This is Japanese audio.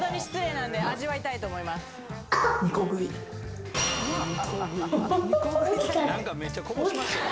なんかめっちゃこぼしましたよ